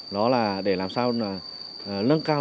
đó là để làm sao nâng cao